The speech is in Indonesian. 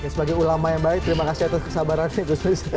oke sebagai ulama yang baik terima kasih atas kesabaran ini